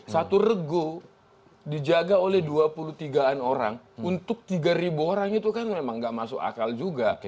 satu rego dijaga oleh dua puluh tiga an orang untuk tiga orang itu kan memang gak masuk akal juga